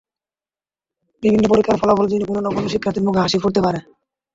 বিভিন্ন পরীক্ষার ফলাফল জেনে কোনো কোনো শিক্ষার্থীর মুখে হাসি ফুটতে পারে।